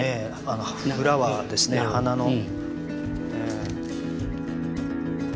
あのフラワーですね花の。